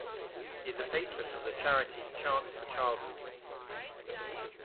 He is a patron of the charity Chance for Childhood.